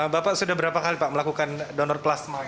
bapak sudah berapa kali pak melakukan donor plasma